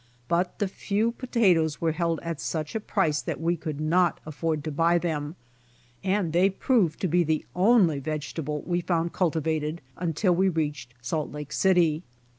But the few potatoes were held at such a price that we could not afford to buy them, and they proved to be the only vegetable we found cultivated until we reached Salt Lake City.